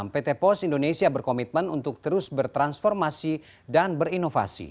pt pos indonesia berkomitmen untuk terus bertransformasi dan berinovasi